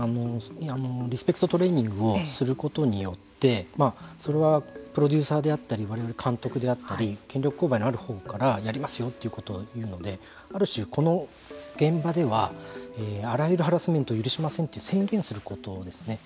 リスペクトトレーニングをすることによってそれはプロデューサーであったりわれわれ監督であったり権力勾配のあるほうからやりますよということを言うのである種、この現場ではあらゆるハラスメントを許しませんと宣言することですね。